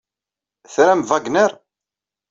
Tram Wagner?